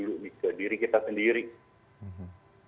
itu yang harus dapat dihasilkan oleh peserta dan penggunaan tulisan ini